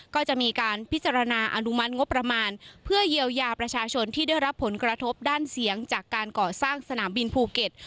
ก็จะมีการพิจารณาอนุมัติงบประมาณเพื่อเยียวยาประชาชนที่ได้รับผลกระทบด้านเสียงจากการก่อสร้างสนามบินภูเก็ต